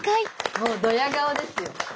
もうドヤ顔ですよ。